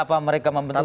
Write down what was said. apa mereka membantu